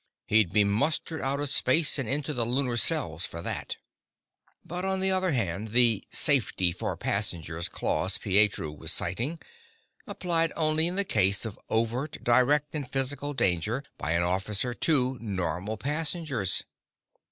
He'd be mustered out of space and into the Lunar Cells for that. But on the other hand, the "safety for passengers" clause Pietro was citing applied only in the case of overt, direct and physical danger by an officer to normal passengers.